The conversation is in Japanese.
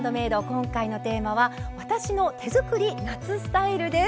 今回のテーマは「私の手作り夏スタイル」です。